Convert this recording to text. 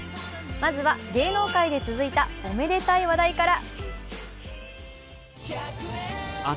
まずは芸能界で続いた、おめでたい話題から。